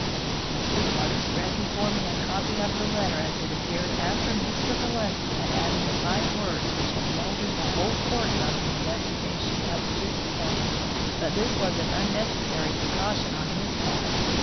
And Sweetwater spread before me a copy of the letter as it appeared after Mr. Gillespie had added the five words which had moulded the whole course of the investigation up to this point. But this was an unnecessary precaution on his part.